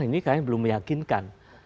ini kalian belum meyakinkan